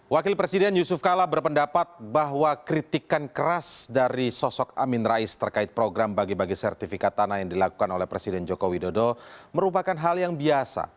wakil presiden yusuf kala berpendapat bahwa kritikan keras dari sosok amin rais terkait program bagi bagi sertifikat tanah yang dilakukan oleh presiden joko widodo merupakan hal yang biasa